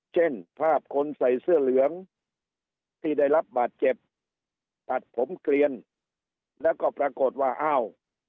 เช่นภาพคนใส่เสื้อเหลืองที่ได้รับบาดเจ็บตัดผมเกลียนแล้วก็ปรากฏว่าอ้าว